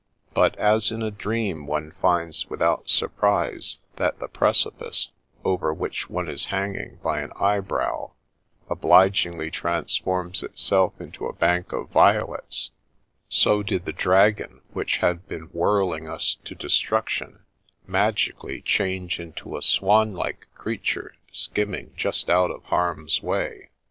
But, as in a dream one finds without surprise that the precipice, over which one is hanging by an eyebrow, obligingly transforms it self into a bank of violets, so did the dragon which had been whirling us to destruction magically change into a swan like creature skimming just out of harm's way.